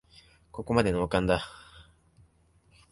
ここまでノーカンだ